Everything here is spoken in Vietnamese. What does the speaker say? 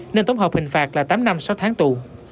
nên tổng hợp hình phạt là tám năm sáu tháng tù